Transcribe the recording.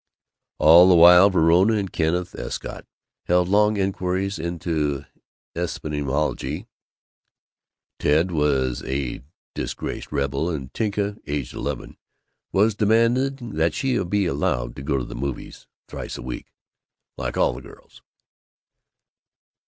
All the while Verona and Kenneth Escott held long inquiries into epistemology; Ted was a disgraced rebel; and Tinka, aged eleven, was demanding that she be allowed to go to the movies thrice a week, "like all the girls."